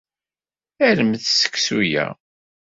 Armet seksu-a.